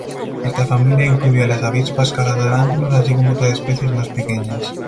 Esta familia incluye a las avispas caza tarántulas así como otras especie más pequeñas.